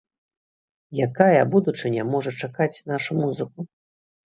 Якая будучыня можа чакаць нашу музыку?